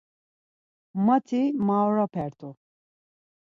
Mati maoropert̆u.